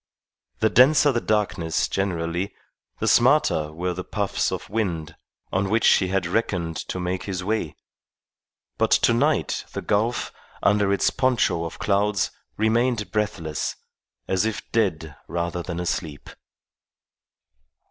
The denser the darkness generally, the smarter were the puffs of wind on which he had reckoned to make his way; but tonight the gulf, under its poncho of clouds, remained breathless, as if dead rather than asleep.